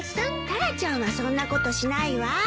タラちゃんはそんなことしないわ。